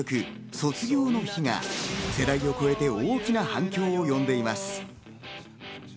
卒業の日が世代を超えて大きな反響を呼んでいます。